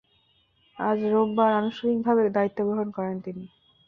আজ রোববার আনুষ্ঠানিকভাবে দায়িত্ব গ্রহণ করেন তিনি।